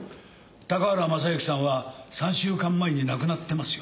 高原雅之さんは３週間前に亡くなってますよ。